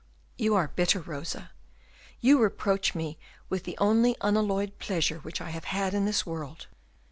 "You are bitter, Rosa, you reproach me with the only unalloyed pleasure which I have had in this world."